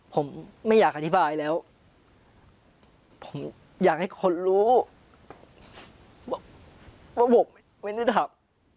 ผมไม่อยากอธิบายแล้วผมอยากให้คนรู้ว่าผมไม่รู้จัก